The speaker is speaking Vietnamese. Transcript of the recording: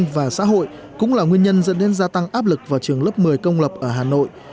và xã hội cũng là nguyên nhân dẫn đến gia tăng áp lực vào trường lớp một mươi công lập ở hà nội